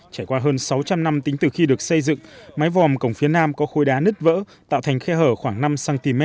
trải qua hơn sáu trăm linh năm tính từ khi được xây dựng mái vòm cổng phía nam có khối đá nứt vỡ tạo thành khe hở khoảng năm cm